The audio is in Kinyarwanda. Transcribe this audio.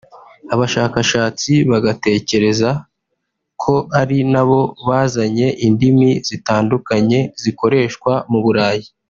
abashakashatsi bagatekereza ko ari nabo bazanye indimi zitandukanye zikoreshwa mu Burayi